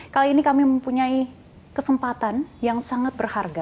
kali ini kami mempunyai kesempatan yang sangat berharga